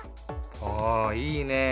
おいいね。